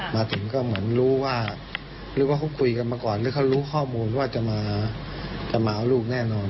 มาถึงก็เหมือนรู้ว่าหรือว่าเขาคุยกันมาก่อนหรือเขารู้ข้อมูลว่าจะมาเอาลูกแน่นอน